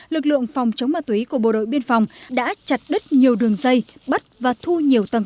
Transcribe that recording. lực lượng phòng chống ma túy của bộ đội biên phòng đã chặt đứt nhiều đường dây bắt và thu nhiều tăng